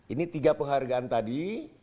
ini tiga penghargaan tadi